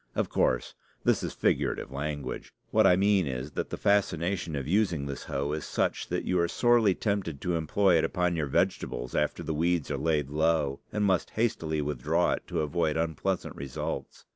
Of course, this is figurative language. What I mean is, that the fascination of using this hoe is such that you are sorely tempted to employ it upon your vegetables after the weeds are laid low, and must hastily withdraw it to avoid unpleasant results.